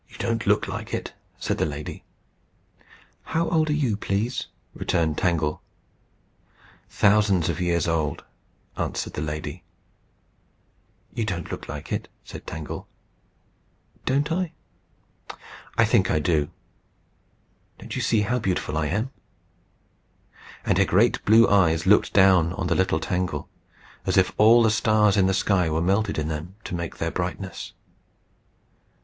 "You don't look like it," said the lady. "How old are you, please?" returned Tangle. "Thousands of years old," answered the lady. "You don't look like it," said Tangle. "Don't I? I think I do. Don't you see how beautiful I am?" And her great blue eyes looked down on the little Tangle, as if all the stars in the sky were melted in them to make their brightness.